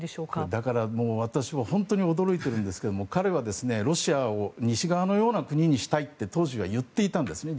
だから私も本当に驚いているんですが彼はロシアを西側のような国にしたいと言っていたんです。